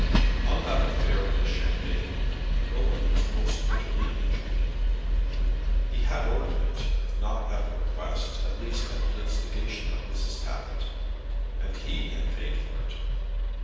In that affair of the champagne Rowan was most bitterly injured. He had ordered it, if not at the request, at least at the instigation of Mrs. Tappitt; and he had paid for it.